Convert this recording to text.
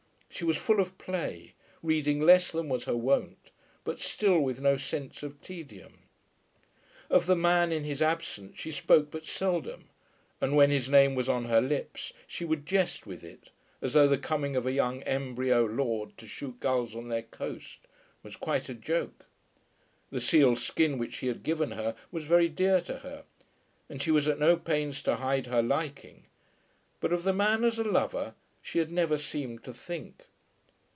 She was full of play, reading less than was her wont, but still with no sense of tedium. Of the man in his absence she spoke but seldom, and when his name was on her lips she would jest with it, as though the coming of a young embryo lord to shoot gulls on their coast was quite a joke. The seal skin which he had given her was very dear to her, and she was at no pains to hide her liking; but of the man as a lover she had never seemed to think.